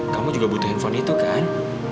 kamu juga butuh handphone itu kan